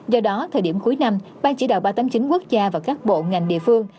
do đó thời điểm cuối năm ban chỉ đạo ba trăm tám mươi chín quốc gia và các bộ ngành địa phương